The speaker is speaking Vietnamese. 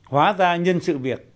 hóa ra nhân sự việc